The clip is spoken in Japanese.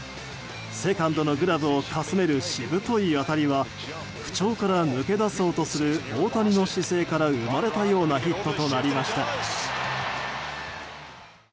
セカンドのグラブをかすめるしぶとい当たりは不調から抜け出そうとする大谷の姿勢から生まれたようなヒットとなりました。